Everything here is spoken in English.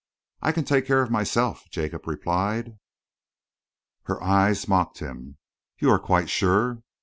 "I can take care of myself," Jacob replied. Her eyes mocked him. "You are quite sure?"